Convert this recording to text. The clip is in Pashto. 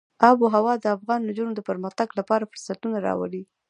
آب وهوا د افغان نجونو د پرمختګ لپاره فرصتونه راولي.